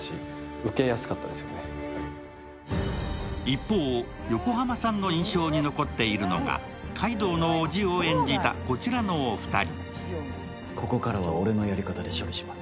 一方、横浜さんの印象に残っているのが階堂のおじを演じたこちらのお二人。